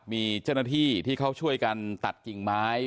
มีเจ้าหน้าที่ที่เขาช่วยกันตัดกิ่งไม้